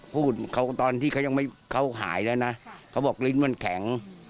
พูดตอนที่เขาหายแล้วนะเขาบอกลิ้นมันแข็ง